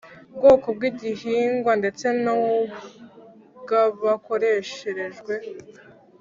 bwoko bw igihingwa ndetse n ubw ubwakoreshejwe